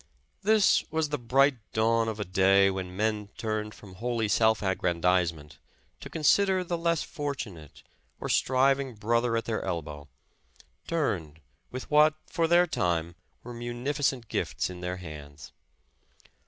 This was the bright dawn of a day when men turned from wholly self aggrandizement, to consider the less fortunate or striving brother at their elbow, — turned, with what for their time, were munificent gifts in their hands.